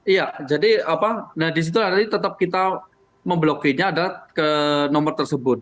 iya jadi apa nah disitu tetap kita memblokirnya adalah ke nomor tersebut